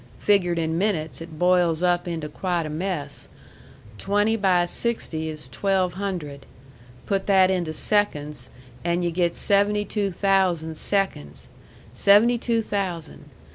Figured in minutes it boils up into quite a mess. Twenty by sixty is twelve hundred. Put that into seconds, and yu' get seventy two thousand seconds. Seventy two thousand.